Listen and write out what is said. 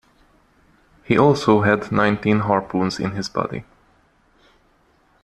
He also had nineteen harpoons in his body.